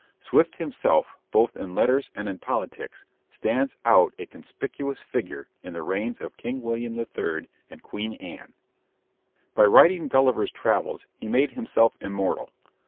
Swift himself, both in letters and in politics, stands out a conspicuous figure in the reigns of King William III and Queen Anne. By writing Gulliver's Travels he made himself immortal.